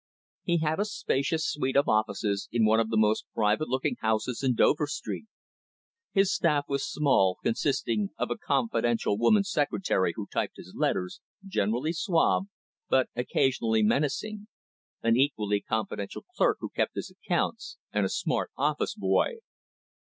He had a spacious suite of offices in one of the most private looking houses in Dover Street. His staff was small, consisting of a confidential woman secretary who typed his letters, generally suave, but occasionally menacing; an equally confidential clerk who kept his accounts; and a smart office boy.